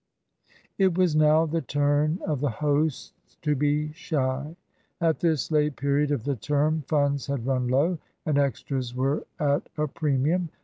It was now the turn of the hosts to be shy. At this late period of the term funds had run low, and extras were at a premium.